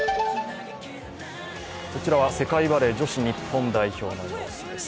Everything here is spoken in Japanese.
こちらは世界バレー女子日本代表の様子です。